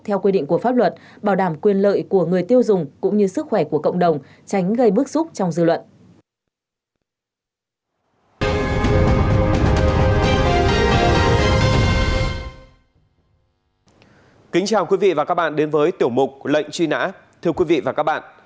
theo quy định của pháp luật bảo đảm quyền lợi của người tiêu dùng cũng như sức khỏe của cộng đồng tránh gây bức xúc trong dư luận